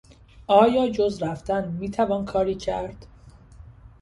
آیا جز رفتن میتوان کاری کرد؟